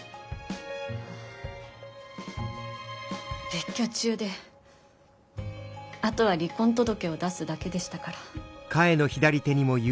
別居中であとは離婚届を出すだけでしたから。